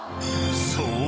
［そう。